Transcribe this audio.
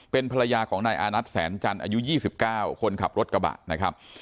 เป็นภรรยาของนายอานัทแสนจันทร์อายุ๒๙คนขับรถกระบะนะครับ